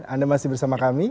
anda masih bersama kami